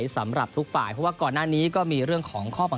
สำหรับทุกฝ่ายเพราะว่าก่อนหน้านี้ก็มีเรื่องของข้อบัง